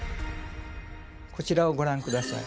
こちらをご覧ください。